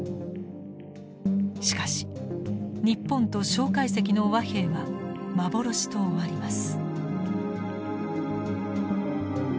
しかし日本と介石の和平は幻と終わります。